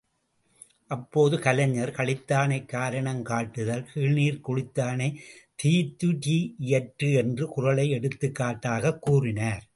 அப்போது கலைஞர், களித்தானைக் காரணம் காட்டுதல் கீழ்நீர்க் குளித்தா னைத் தீத்துரீஇ யற்று என்ற குறளை எடுத்துக்காட்டாகக் கூறினார்.